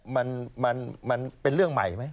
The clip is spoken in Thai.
มันมันเป็นเรื่องใหม่ไหม